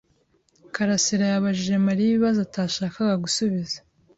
karasira yabajije Mariya ibibazo atashakaga gusubiza.